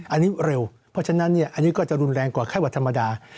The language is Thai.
อันนี้เร็วเพราะฉะนั้นอันนี้ก็จะรุนแรงกว่าไข้หวัดธรรมดา